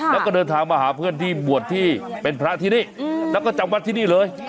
แล้วก็เดินทางมาหาเพื่อนที่บวชที่เป็นพระที่นี่แล้วก็จำวัดที่นี่เลย